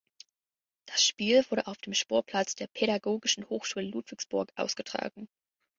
Das Spiel wurde auf dem Sportplatz der Pädagogischen Hochschule Ludwigsburg ausgetragen.